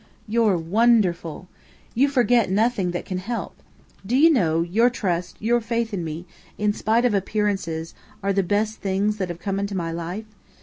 "You're wonderful! You forget nothing that can help. Do you know, your trust, your faith in me, in spite of appearances, are the best things that have come into my life?